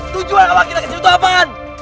tujuan awak kita disitu itu apaan